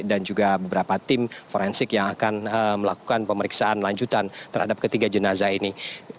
dan juga beberapa tim forensik yang akan melakukan pemeriksaan lanjutan terhadap ketiga jenazah ini